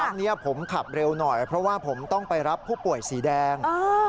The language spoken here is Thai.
ครั้งนี้ผมขับเร็วหน่อยเพราะว่าผมต้องไปรับผู้ป่วยสีแดงอ่า